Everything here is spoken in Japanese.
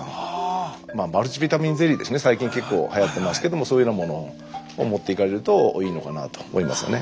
マルチビタミンゼリーですね最近結構はやってますけどもそういうようなものを持っていかれるといいのかなと思いますよね。